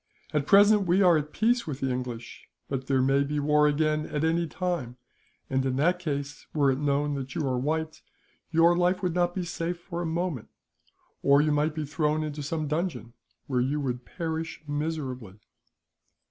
At present we are at peace with the English; but there may be war again, at any time, and in that case were it known that you are white, your life would not be safe for a moment; or you might be thrown into some dungeon, where you would perish miserably."